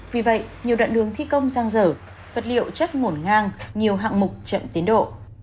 vì vậy nhiều đoạn đường thi công giang dở vật liệu chất ngổn ngang nhiều hạng mục chậm tiến độ